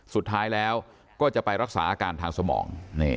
สุดท้ายแล้วก็จะไปรักษาอาการทางสมอง